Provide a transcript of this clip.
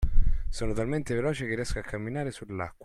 Sono talmente veloce che riesco a camminare sull'acqua.